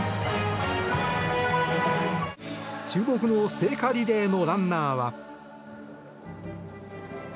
注目の聖火リレーのランナーは。